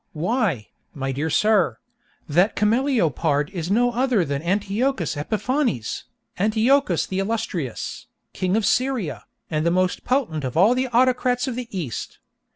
Why, my dear sir, that cameleopard is no other than Antiochus Epiphanes, Antiochus the Illustrious, King of Syria, and the most potent of all the autocrats of the East!